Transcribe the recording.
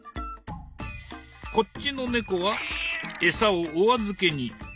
こっちの猫は餌をお預けに。